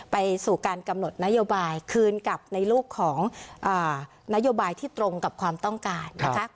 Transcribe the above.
ไปสู่การกำหนดนโยบายคืนกลับในลูกของนโยบายที่ตรงกับความต้องการนะคะ